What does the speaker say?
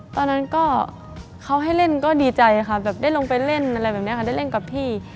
ตอนนั้นก็เขาให้เล่นก็ดีใจค่ะแบบได้ลงไปเล่นอะไรแบบนี้ค่ะได้เล่นกับพี่